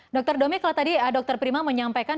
dr domi kalau tadi dokter prima menyampaikan